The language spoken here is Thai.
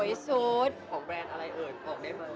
ไปชุดไหนแล้วใบ้นิดนึงไหม